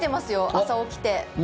朝起きて。